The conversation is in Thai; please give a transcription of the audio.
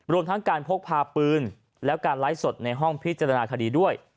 รวมทั้งการพกพาปืนและการไลฟ์สดในห้องพิจารณาคดีด้วย